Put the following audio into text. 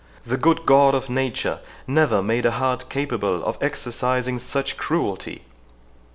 The good God of nature never made a heart capable of exercising such cruelty!"